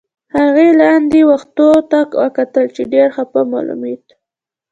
هغې لاندې و ختو ته وکتل، چې ډېر خپه معلومېدل.